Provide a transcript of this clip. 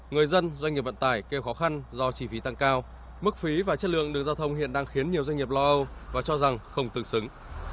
người dân doanh nghiệp vận tải kêu khó khăn do chi phí tăng cao mức phí và chất lượng đường giao thông hiện đang khiến nhiều doanh nghiệp lo âu và cho rằng không tương xứng